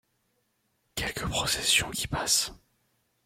Quelque procession qui passe.